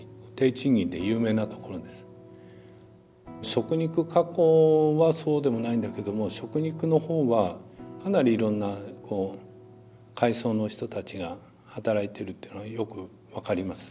食肉加工はそうでもないんだけども食肉のほうはかなりいろんな階層の人たちが働いてるっていうのはよく分かります。